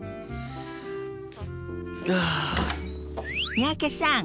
三宅さん